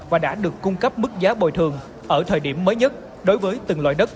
và đã được cung cấp mức giá bồi thường ở thời điểm mới nhất đối với từng loại đất